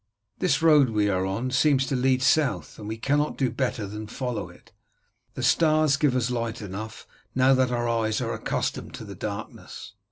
This road we are on seems to lead south and we cannot do better than follow it, the stars give us light enough, now that our eyes are accustomed to the darkness."